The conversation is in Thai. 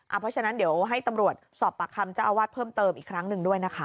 เพราะฉะนั้นเดี๋ยวให้ตำรวจสอบปากคำเจ้าอาวาสเพิ่มเติมอีกครั้งหนึ่งด้วยนะคะ